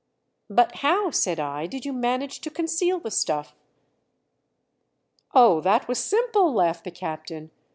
"But how," said I, "did you manage to conceal the stuff?" "Oh, that was simple," laughed the captain.